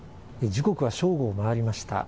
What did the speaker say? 時刻は正午を回りました。